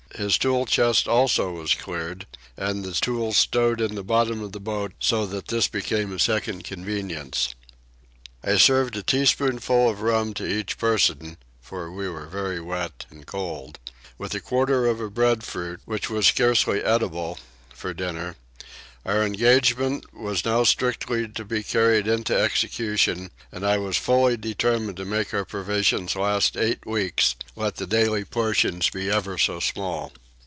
His tool chest also was cleared and the tools stowed in the bottom of the boat so that this became a second convenience. I served a teaspoonful of rum to each person (for we were very wet and cold) with a quarter of a breadfruit, which was scarce eatable, for dinner: our engagement was now strictly to be carried into execution, and I was fully determined to make our provisions last eight weeks, let the daily proportion be ever so small.